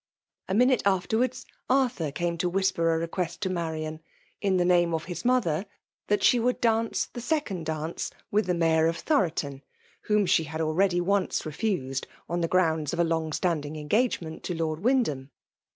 A minute afterwards, Arthur came to whisper a request to Marian, in the name of his mother, that she would dance the second dance with 128 FEMALE DOMINATION. the Mayor of Thoroton, whom she had already once refused^ on the grounds of along standing engagement to Lord Wyndham.